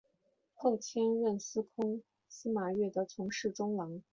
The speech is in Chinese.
后迁任司空司马越的从事中郎。